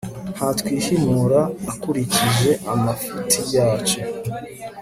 ntatwihimura akurikije amafuti yacu